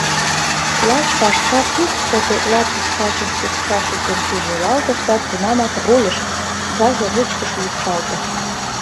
Лач Пашка трукышто тетла пускачым шупшшаш укем шижылалтыш да тунамак рульыш, газ ручкыш лупшалте.